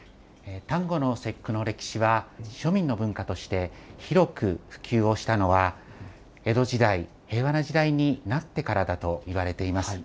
端午の節句の歴史は、庶民の文化として広く普及をしたのは、江戸時代、平和な時代になってからだといわれています。